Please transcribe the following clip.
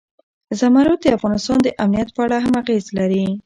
زمرد د افغانستان د امنیت په اړه هم اغېز لري.